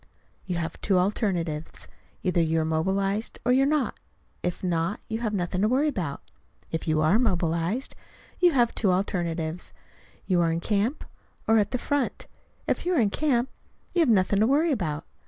You have two alternatives: either you are mobilized or you are not. If not, you have nothing to worry about. If you are mobilized, you have two alternatives: you are in camp or at the front. If you are in camp, you have nothing to worry about.